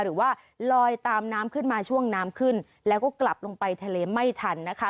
หรือว่าลอยตามน้ำขึ้นมาช่วงน้ำขึ้นแล้วก็กลับลงไปทะเลไม่ทันนะคะ